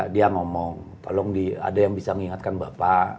dia ngomong tolong ada yang bisa mengingatkan bapak